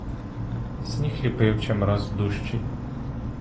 Сніг ліпив чимраз дужчий.